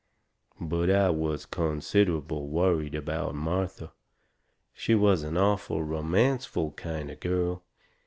But I was considerable worried about Martha. She was an awful romanceful kind of girl.